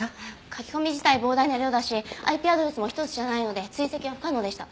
書き込み自体膨大な量だしＩＰアドレスも１つじゃないので追跡は不可能でした。